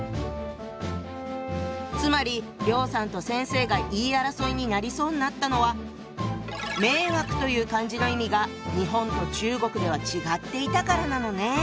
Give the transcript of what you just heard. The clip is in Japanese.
つまり梁さんと先生が言い争いになりそうになったのは「迷惑」という漢字の意味が日本と中国では違っていたからなのね。